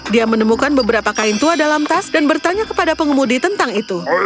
dia menemukan beberapa kain tua dalam tas dan bertanya kepada pengemudi tentang itu